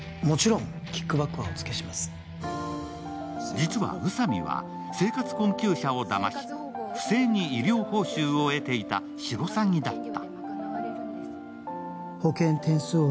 実は、宇佐美は生活困窮者をだまし不正に医療報酬を得ていたシロサギだった。